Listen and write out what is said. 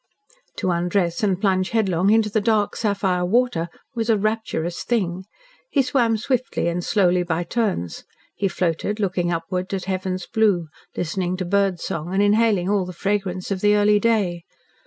To undress and plunge headlong into the dark sapphire water was a rapturous thing. He swam swiftly and slowly by turns, he floated, looking upward at heaven's blue, listening to birds' song and inhaling all the fragrance of the early day.